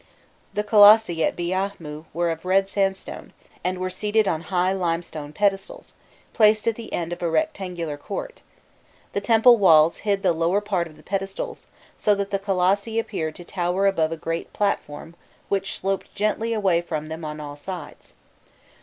The colossi at Biahmû were of red sandstone, and were seated on high limestone pedestals, placed at the end of a rectangular court; the temple walls hid the lower part of the pedestals, so that the colossi appeared to tower above a great platform which sloped gently away from them on all sides.